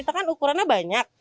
kita kan ukurannya banyak